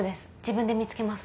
自分で見つけます。